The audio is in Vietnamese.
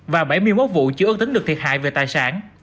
và bảy mươi một vụ chưa ước tính được thiệt hại về tài sản